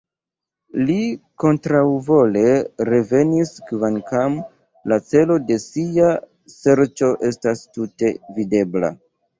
Li kontraŭvole revenis, kvankam la celo de sia serĉo estis tute videbla.